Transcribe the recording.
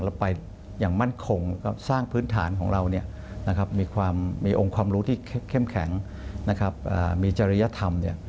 เราไปอย่างมั่นคงสร้างพื้นฐานของเรามีองค์ความรู้ที่เข้มแข็งมีจริยธรรม